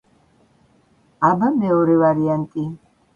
აბა მეორე ვარიანტი.